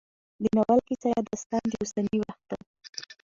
د ناول کيسه يا داستان د اوسني وخت